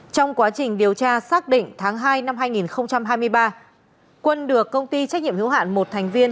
trong quá trình điều tra xác định tháng hai năm hai nghìn hai mươi ba quân được công ty trách nhiệm hữu hạn một thành viên